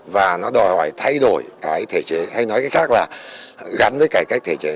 và nó đòi hỏi thay đổi cái thể chế hay nói cái khác là gắn với cái cách